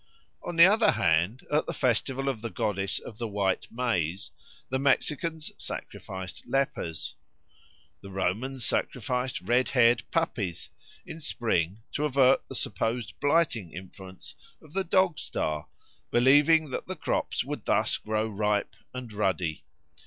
On the other hand, at the festival of the Goddess of the White Maize the Mexicans sacrificed lepers. The Romans sacrificed red haired puppies in spring to avert the supposed blighting influence of the Dog star, believing that the crops would thus grow ripe and ruddy.